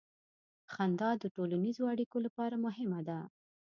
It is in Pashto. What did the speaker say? • خندا د ټولنیزو اړیکو لپاره مهمه ده.